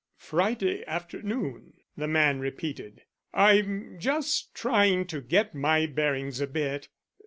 "Friday afternoon?" the man repeated. "I'm just trying to get my bearings a bit.